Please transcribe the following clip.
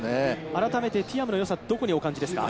改めてティアムのよさってどこにお感じですか？